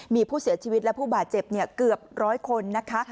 มีผู้เสียชีวิตและผู้บาดเจ็บเกือบร้อยคนนะคะ